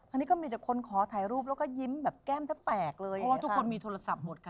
อันนี้ก็มีแต่คนขอถ่ายรูปแล้วก็ยิ้มแบบแก้มแทบแตกเลยเพราะว่าทุกคนมีโทรศัพท์หมดค่ะ